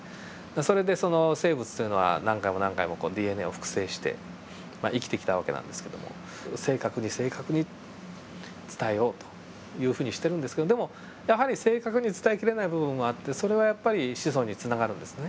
それで生物というのは何回も何回もＤＮＡを複製してまあ生きてきた訳なんですけども正確に正確に伝えようというふうにしてるんですけどでもやはり正確に伝えきれない部分もあってそれはやっぱり子孫につながるんですね。